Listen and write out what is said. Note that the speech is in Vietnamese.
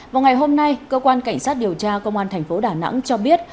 vào ngày hôm nay cơ quan cảnh sát điều tra công an thành phố đà nẵng cho biết